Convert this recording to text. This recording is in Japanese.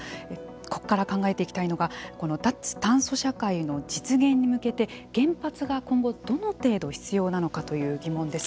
ここから考えていきたいのがこの脱炭素社会の実現に向けて原発が、今後、どの程度必要なのかという疑問です。